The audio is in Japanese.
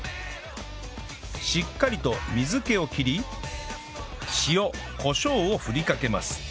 しっかりと水気を切り塩コショウをふりかけます